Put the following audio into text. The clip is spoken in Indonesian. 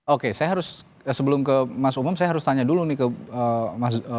oke saya harus sebelum ke mas umum saya harus tanya dulu nih ke mas